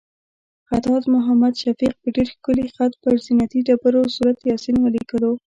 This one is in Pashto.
خطاط محمد شفیق په ډېر ښکلي خط پر زینتي ډبرو سورت یاسین ولیکلو.